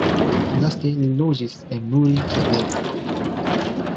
Laste li loĝis en Muri ĉe Berno.